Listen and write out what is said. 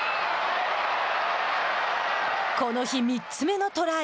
この日３つ目のトライ。